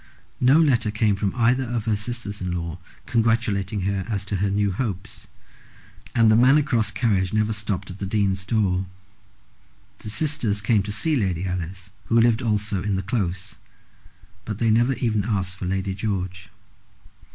No letter came from either of her sisters in law congratulating her as to her new hopes, and the Manor Cross carriage never stopped at the Dean's door. The sisters came to see Lady Alice, who lived also in the Close, but they never even asked for Lady George.